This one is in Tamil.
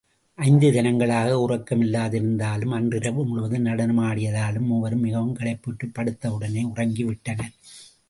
ஐந்து தினங்களாக உறக்கமில்லாதிருந்ததாலும், அன்றிரவு முழுவதும் நடனமாடியதாலும் மூவரும் மிகவும் களைப்புற்றுப் படுத்தவுடனே உறங்கி விட்டனர்.